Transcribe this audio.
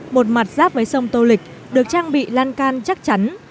một mặt giáp với sông tô lịch được trang bị lan can chắc chắn